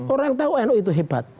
orang tahu nu itu hebat